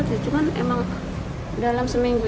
ya cuman emang dalam seminggu